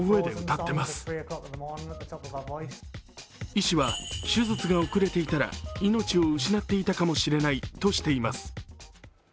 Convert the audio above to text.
医師は、手術が遅れていたら命を失っていたかもしれないとしています。